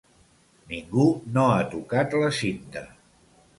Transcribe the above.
Ningú no ha tocat la cinta.